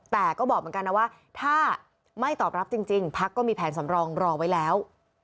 แต่ก็บอกเหมือนกันนะว่าถ้าไม่ตอบรับจริงพักก็มีแผนสำรองรอไว้แล้ว